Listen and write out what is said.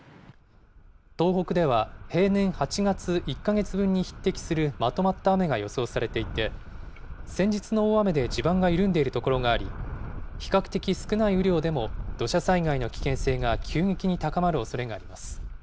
東北では平年８月１か月分に匹敵するまとまった雨が予想されていて、先日の大雨で地盤が緩んでいる所があり、比較的少ない雨量でも、土砂災害の危険性が急激に高まるおそれがあります。